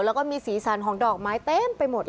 แล้วก็มีสีสันของดอกไม้เต็มไปหมดเลย